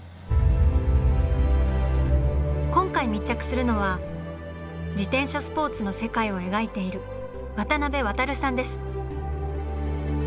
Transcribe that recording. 今回密着するのは自転車スポーツの世界を描いている渡辺航さんです。